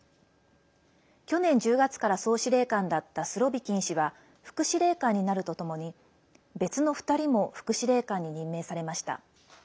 去年１０月から総司令官だったスロビキン氏は副司令官になるとともに別の２人も副司令官に任命されました。